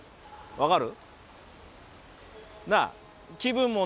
分かる？